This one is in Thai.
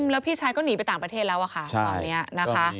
แล้วพี่ชายก็หนีไปต่างประเทศแล้วอะค่ะตอนนี้นะคะ